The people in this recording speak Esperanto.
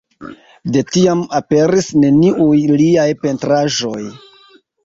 De tiam aperis neniuj liaj pentraĵoj.